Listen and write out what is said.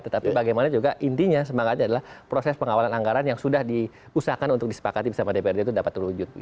tetapi bagaimana juga intinya semangatnya adalah proses pengawalan anggaran yang sudah diusahakan untuk disepakati bersama dprd itu dapat terwujud